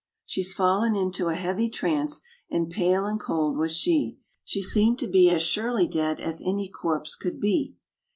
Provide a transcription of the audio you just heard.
She's fallen into a heavy trance, And pale and cold was she; She seemed to be as surely dead As any corpse could be.